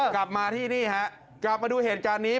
กลับมาที่นี่ฮะกลับมาดูเหตุการณ์นี้